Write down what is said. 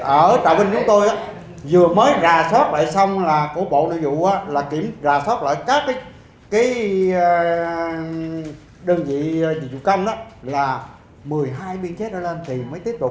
ở tàu vinh chúng tôi vừa mới rà sót lại xong là của bộ nội dụ kiểm rà sót lại các đơn vị dịch vụ công là một mươi hai biên chế đó lên thì mới tiếp tục